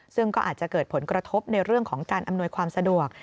ซึ่งก็อาจจะเกิดผลกระทบในเรื่องของการอำนวยความสะดวก